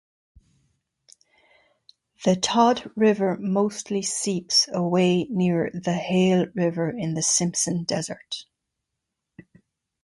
The Todd River mostly seeps away near the Hale River in the Simpson Desert.